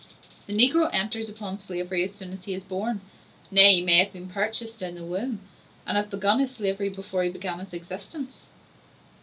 The negro enters upon slavery as soon as he is born: nay, he may have been purchased in the womb, and have begun his slavery before he began his existence.